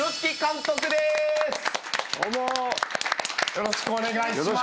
よろしくお願いします。